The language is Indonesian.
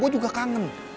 gue juga kangen